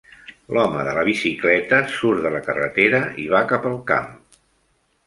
L'home de la bicicleta surt de la carretera i va cap al camp.